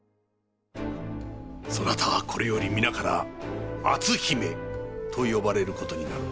そなたはこれより皆から篤姫と呼ばれることになろう。